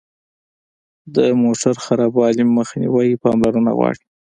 د موټر خرابوالي مخنیوی پاملرنه غواړي.